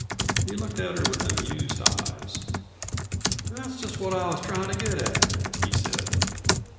He looked at her with amused eyes. "That's just what I was tryin' to get at," he said.